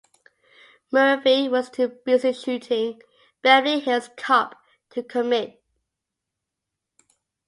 Murphy was too busy shooting "Beverly Hills Cop" to commit.